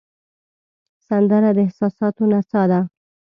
سندره د احساساتو نڅا ده